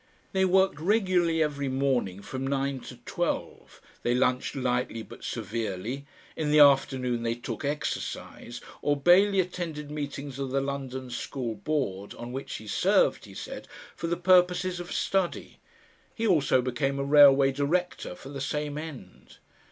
They worked regularly every morning from nine to twelve, they lunched lightly but severely, in the afternoon they "took exercise" or Bailey attended meetings of the London School Board, on which he served, he said, for the purposes of study he also became a railway director for the same end.